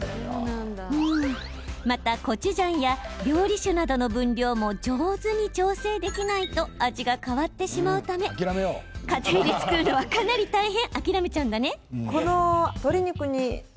また、コチュジャンや料理酒などの分量も上手に調整できないと味が変わってしまうため家庭で作るのは、かなり大変。